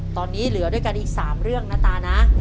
ตอนนี้เหลือด้วยกันอีก๓เรื่องนะตานะ